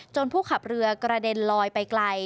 ผู้ขับเรือกระเด็นลอยไปไกล